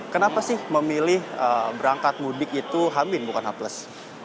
kenapa sih memilih berangkat mudik itu hamil bukan haples